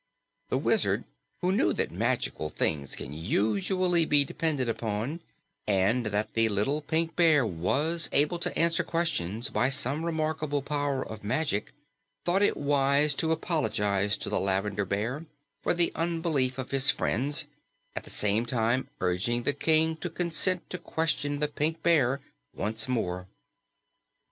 The Wizard, who knew that magical things can usually be depended upon and that the little Pink Bear was able to answer questions by some remarkable power of magic, thought it wise to apologize to the Lavender Bear for the unbelief of his friends, at the same time urging the King to consent to question the Pink Bear once more.